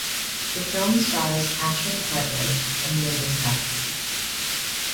The film stars Katrin Cartlidge and Lynda Steadman.